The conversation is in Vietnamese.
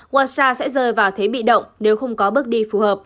hoa sa sẽ rơi vào thế bị động nếu không có bước đi